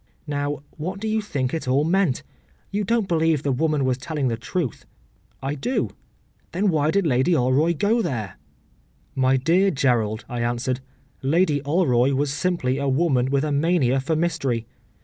Now, what do you think it all meant? You don’t believe the woman was telling the truth?’ ‘I do.’ ‘Then why did Lady Alroy go there?’ ‘My dear Gerald,’ I answered, ‘Lady Alroy was simply a woman with a mania for mystery.